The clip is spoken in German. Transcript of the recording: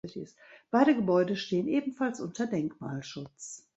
Beide Gebäude stehen ebenfalls unter Denkmalschutz.